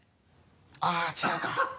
あっ違うか。